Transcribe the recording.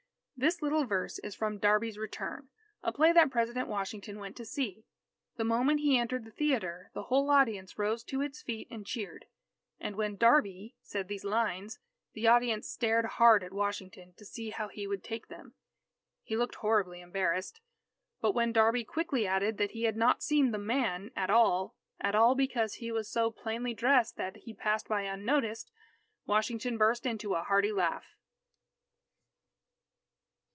_ _This little verse is from "Darby's Return," a play that President Washington went to see. The moment he entered the theatre the whole audience rose to its feet and cheered. And when "Darby" said these lines, the audience stared hard at Washington to see how he would take them. He looked horribly embarrassed. But when "Darby" quickly added that he had not seen the "man" at all at all because he was so plainly dressed that he passed by unnoticed, Washington burst into a hearty laugh.